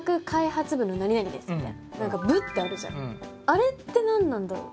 あれって何なんだろう？